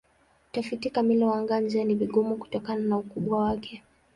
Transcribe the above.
Utafiti kamili wa anga-nje ni vigumu kutokana na ukubwa wake.